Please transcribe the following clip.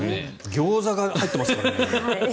ギョーザが入ってますからね。